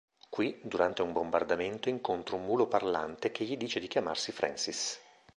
Qui, durante un bombardamento incontra un mulo "parlante" che gli dice di chiamarsi Francis.